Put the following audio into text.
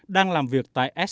đang làm việc tại ilo